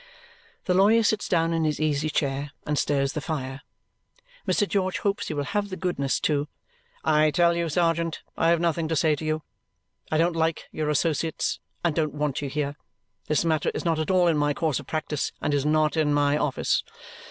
The lawyer sits down in his easy chair and stirs the fire. Mr. George hopes he will have the goodness to "I tell you, sergeant, I have nothing to say to you. I don't like your associates and don't want you here. This matter is not at all in my course of practice and is not in my office.